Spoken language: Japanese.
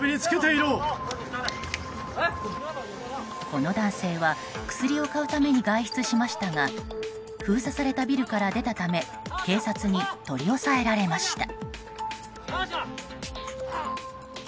この男性は薬を買うために外出しましたが封鎖されたビルから出たため警察に取り押さえられました。